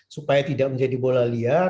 supaya tidak menjadi bola liar